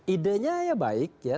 idenya ya baik ya